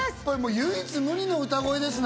唯一無二の歌声ですね。